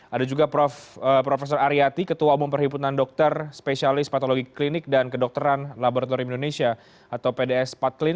ada juga prof aryati ketua umum perhimpunan dokter spesialis patologi klinik dan kedokteran laboratorium indonesia atau pds patlin